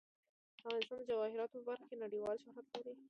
افغانستان د جواهرات په برخه کې نړیوال شهرت لري.